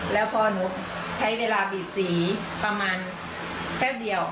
แล้วพอหนูใช้เวลาบีดสีประมาณแป๊บเดียว